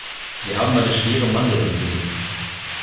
Sie haben eine schwere Mandelentzündung.